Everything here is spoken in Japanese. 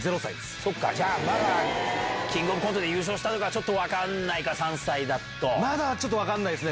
そっか、じゃあ、まだキングオブコントで優勝したとか、ちょっと分かんないか、まだちょっと分かんないですね。